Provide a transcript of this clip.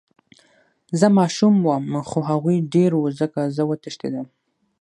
زه ماشوم وم خو هغوي ډير وو ځکه زه وتښتېدم.